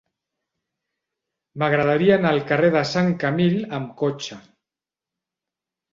M'agradaria anar al carrer de Sant Camil amb cotxe.